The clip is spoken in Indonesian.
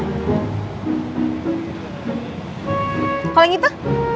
kalau yang itu